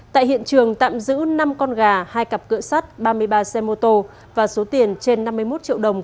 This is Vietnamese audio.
tại hiện trường tạm giữ năm con gà hai cặp cỡ sắt ba mươi ba xe mô tô và số tiền trên năm mươi một triệu đồng cùng một số vật chứng có liên quan